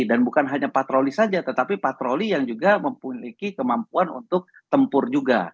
dan bukan hanya patroli saja tetapi patroli yang juga memiliki kemampuan untuk tempur juga